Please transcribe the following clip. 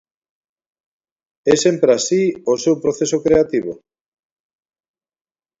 É sempre así o seu proceso creativo?